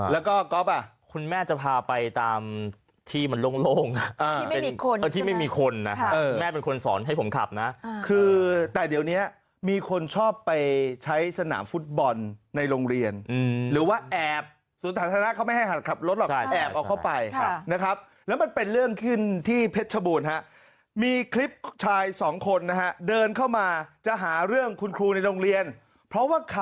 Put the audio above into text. แล้วก็ก๊อฟอ่ะคุณแม่จะพาไปตามทีเหมือนโรงนะที่ไม่มีคนนะฮะแม่เป็นคนสอนให้ผมขับนะคือแต่เดี๋ยวนี้มีคนชอบไปใช้สนามฟุตบอลในโรงเรียนหรือว่าแอบสวนสาธารณะเขาไม่ให้หัดขับรถหรอกแอบเอาเข้าไปนะครับแล้วมันเป็นเรื่องขึ้นที่เพชรชบูรณ์ฮะมีคลิปชายสองคนนะฮะเดินเข้ามาจะหาเรื่องคุณครูในโรงเรียนเพราะว่าข